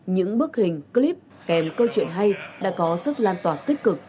những bức hình clip kèm câu chuyện hay đã có sức lan tỏa tích cực